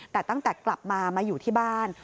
แต่ตั้งแต่กลับมามาอยู่ที่บ้าน